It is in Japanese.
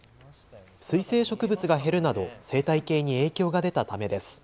水生植物が減るなど生態系に影響が出たためです。